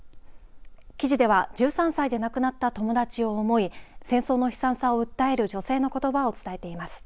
記事では１３歳で亡くなった友達を思い戦争の悲惨さを訴える女性のことばを伝えています。